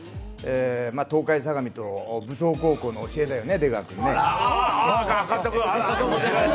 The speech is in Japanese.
東海相模と武相高校の教えだよね。